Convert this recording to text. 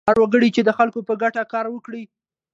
هر وګړی چې د خلکو په ګټه کار وکړي.